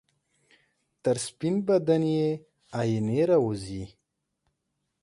تر سپین بدن یې آئینې راوځي